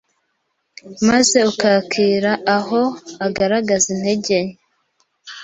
maze ukakira aho agaragaza intege nke